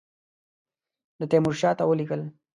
ده تیمورشاه ته ولیکل.